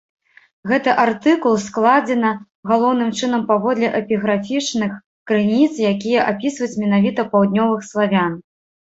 Гэты артыкул складзена галоўным чынам паводле эпіграфічных крыніц, якія апісваюць менавіта паўднёвых славян.